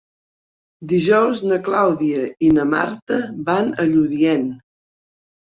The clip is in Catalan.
Dijous na Clàudia i na Marta van a Lludient.